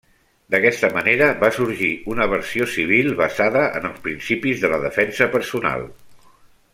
D'aquesta manera va sorgir una versió civil basada en els principis de la defensa personal.